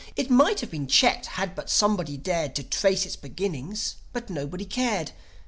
It might have been checked had but someone dared To trace its beginnings; but nobody cared.